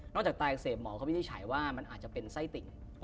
นอกจากตายอักเสบหมอเขาไม่ได้ใช้ว่ามันอาจจะเป็นไส้ติ่ง